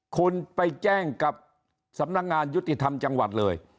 คุณไปแจ้งกับสำนักงานยุติธรรมจังหวัดเลย